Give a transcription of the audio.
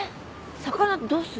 魚どうする？